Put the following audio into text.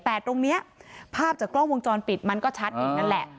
แต่ตรงนี้ภาพจากกล้องวงจรปิดมันก็ชัดอีกนั่นแหละ